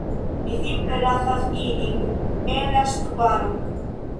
Ni simple lasas ilin en la ŝtuparo